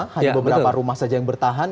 hanya beberapa rumah saja yang bertahan